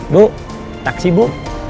bu taksi bu